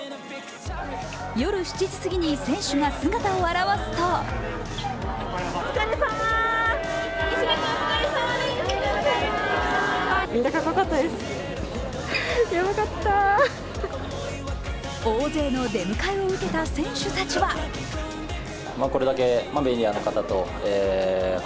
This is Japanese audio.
夜７時過ぎに選手が姿を現すと大勢の出迎えを受けた選手たちは菊池）